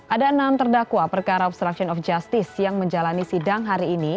ada enam terdakwa perkara obstruction of justice yang menjalani sidang hari ini